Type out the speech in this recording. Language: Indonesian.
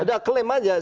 udah claim aja